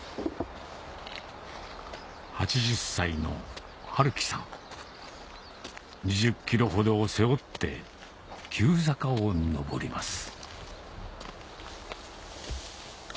８０歳の治豈さん２０ｋｇほどを背負って急坂を上ります